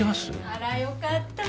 あらよかった